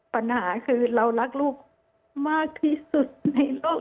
ปัญหาคือเรารักลูกมากที่สุดในโลก